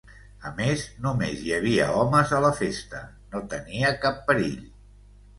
A més, només hi havia homes a la festa, no tenia cap perill!